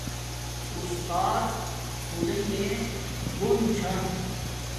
اُستات پھلگے گھون چھا